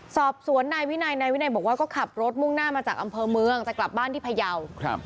สอบสวนนายวินัยนายวินัยบอกว่าก็ขับรถมุ่งหน้ามาจากอำเภอเมืองจะกลับบ้านที่พยาว